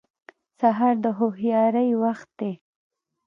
سهار د هوښیارۍ وخت دی.